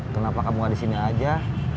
kenapa kamu gak disini aja